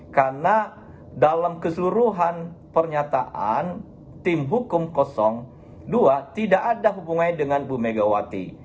karena dalam keseluruhan pernyataan tim hukum dua tidak ada hubungannya dengan ibu megawati